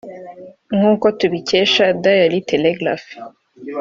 nk’uko tubikesha dailytelegraph